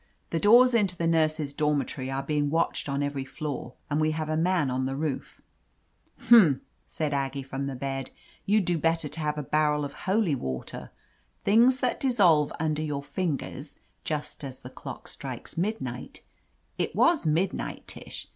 The doors into the nurses' dormitory are being watched on every floor, and we have a man on the roof." "Humph!" said Aggie, from the bed. "You'd do better to have a barrel of holy water. Things that dissolve under your fin gers, just as the clock strikes midnight — it was midnight, Tish.